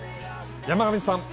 山神さん